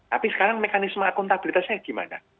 tapi sekarang mekanisme akuntabilitasnya gimana